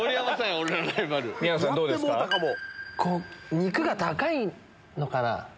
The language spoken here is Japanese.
肉が高いのかな。